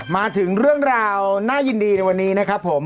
มาถึงเรื่องราวน่ายินดีในวันนี้นะครับผม